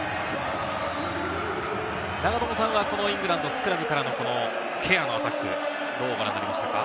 永友さんは、イングランド、スクラムからのケアのアタック、どうご覧になりましたか？